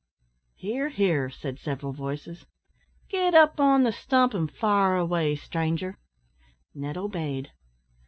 "Hear, hear," said several voices; "get up on the stump an' fire away, stranger." Ned obeyed.